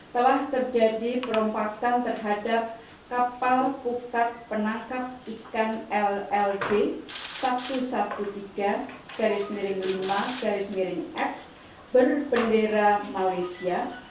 telah terjadi perompakan terhadap kapal bukat penangkap ikan lld satu ratus tiga belas lima f berbendera malaysia